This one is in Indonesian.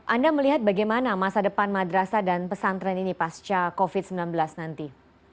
anda melihat bagaimana masa depan madrasah dan pesantren ini pasca covid sembilan belas nanti